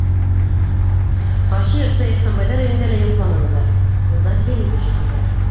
Ҡаршы йортта, Ихсанбайҙар өйөндә лә йоҡламанылар - унда килен төшөрҙөләр.